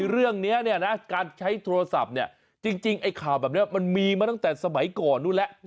เรื่องนี้การใช้โทรศัพท์จริงข่าวแบบนี้มันมีมาตั้งแต่สมัยก่อนนู้นแหละ